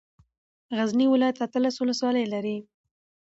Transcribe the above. غزني ولايت اتلس ولسوالۍ لري.